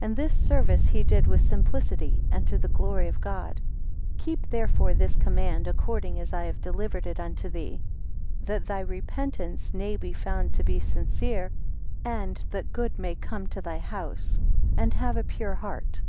And this service he did with simplicity and to the glory of God. 10 Keep therefore this command according as I have delivered it into thee: that thy repentance nay be found to be sincere, and that good may come to thy house; and have a pure heart.